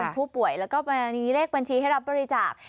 เป็นผู้ป่วยแล้วก็เรียนเลขบัญชีที่รับปริจาค